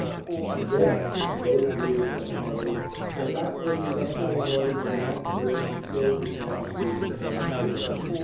And then, as the boat drew into the harbour, I got near the gangway in order to land first and film His Majesty as he came ashore.